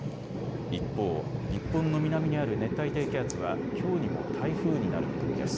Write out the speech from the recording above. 一方、日本の南にある熱帯低気圧はきょうにも台風になる見込みです。